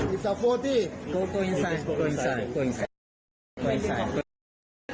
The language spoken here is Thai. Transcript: กลับเข้าในไปเข้าใน